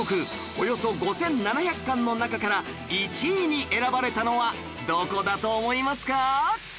およそ５７００館の中から１位に選ばれたのはどこだと思いますか？